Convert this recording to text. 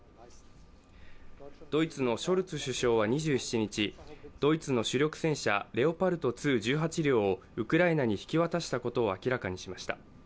ドイツのショルツ首相は２７日、ドイツの主力戦車レオパルト２１８両をウクライナに引き渡したことを明らかにしました。